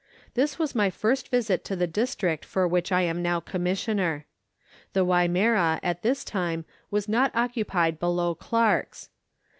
This was my first visit to the district for which I am now Commissioner. The Wimmera at this time was not occupied below Clarke's.